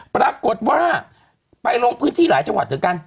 ปรากฏว่าไปลงพื้นที่หลายจังหวัดด้วยกัน